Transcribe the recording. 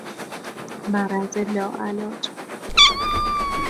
مرض لاعلاج